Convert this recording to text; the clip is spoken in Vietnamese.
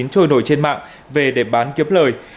trôi nổi trên mạng về để bán kiếm lời